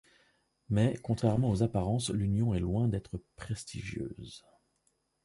Mais, contrairement aux apparences, l'union est loin d'être prestigieuse.